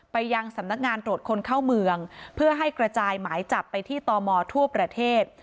ไปยังสำนักงานตรวจคนเข้าเมืองเพื่อให้กระจายหมายจับไปที่ตมทั่วประเทศ